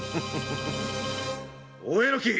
大榎！